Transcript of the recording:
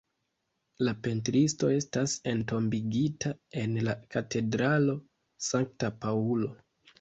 La pentristo estas entombigita en la katedralo Sankta Paŭlo.